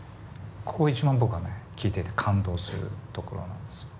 ここが一番僕はね聴いていて感動するところなんですよ。